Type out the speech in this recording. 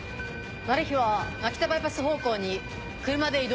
マルヒは蒔田バイパス方向に車で移動。